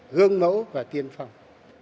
gương mẫu và tiên phong